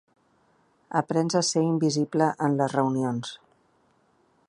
Aprens a ser invisible en les reunions.